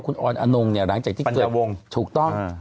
คุณออนอนงหลังจากที่เกิดปัญหาวงถูกต้อง